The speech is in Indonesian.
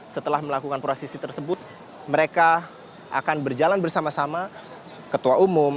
setelah melakukan prosesi tersebut mereka akan berjalan bersama sama ketua umum